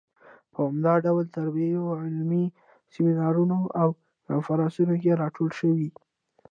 په عمده ډول تربیوي علمي سیمینارونو او کنفرانسونو کې راټولې شوې.